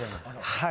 はい。